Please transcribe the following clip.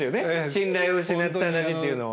信頼を失った話っていうのは。